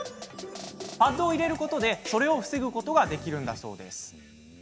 パッドを入れることでそれを防ぐことができるのだそう。